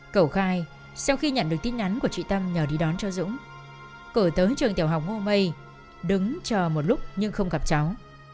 cầu khai sau khi nhận được tin nhắn của chị tâm nhờ đi đón cho dũng cầu tới trường tiểu học ngô mây đứng chờ một lúc nhưng không gặp cháu